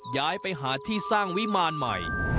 ย้ายไปหาที่สร้างวิมารใหม่